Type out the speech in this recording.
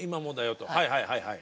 はいはいはいはい。